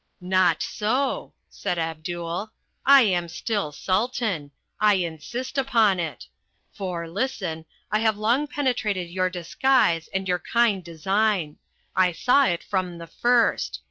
"Not so," said Abdul. "I am still Sultan. I insist upon it. For, listen, I have long penetrated your disguise and your kind design. I saw it from the first.